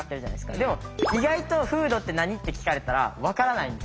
でも意外と「風土って何？」って聞かれたらわからないんですよ。